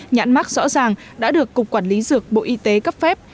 nhãn mắc rõ ràng đã được cục quản lý dược bộ y tế cấp phép